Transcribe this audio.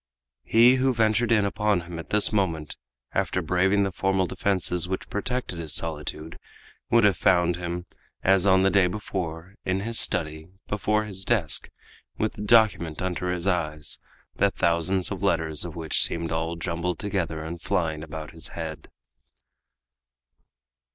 He who ventured in upon him at this moment, after braving the formal defenses which protected his solitude, would have found him, as on the day before, in his study, before his desk, with the document under his eyes, the thousands of letters of which seemed all jumbled together and flying about his head.